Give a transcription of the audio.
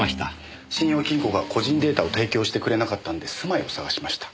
信用金庫が個人データを提供してくれなかったんで住まいを探しました。